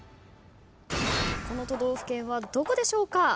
この都道府県はどこでしょうか？